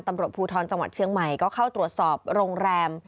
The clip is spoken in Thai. ตำรวจภูทรจังหวัดเชียงใหม่ก็เข้าตรวจสอบโรงแรม